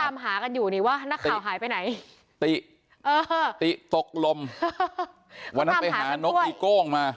ตามหากันอยู่นี่ว่านักข่าวหายไปไหนติติตกลมวันนั้นไปหานกอีโก้งมา